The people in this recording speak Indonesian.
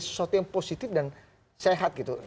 sesuatu yang positif dan sehat gitu